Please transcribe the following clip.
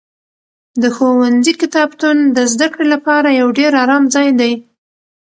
د ښوونځي کتابتون د زده کړې لپاره یو ډېر ارام ځای دی.